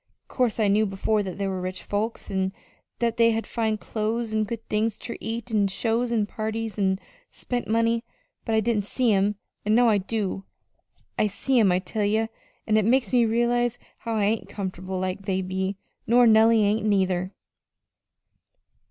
'Course I knew before that there was rich folks, an' that they had fine clo's an' good things ter eat, an' shows an' parties, an' spent money; but I didn't see 'em, an' now I do. I see 'em, I tell ye, an' it makes me realize how I ain't comfortable like they be, nor Nellie ain't neither!"